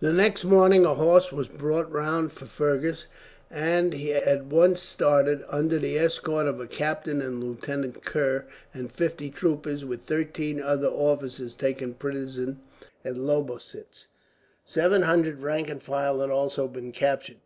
The next morning a horse was brought round for Fergus, and he at once started, under the escort of a captain and Lieutenant Kerr and fifty troopers, with thirteen other officers taken prisoners at Lobositz. Seven hundred rank and file had also been captured.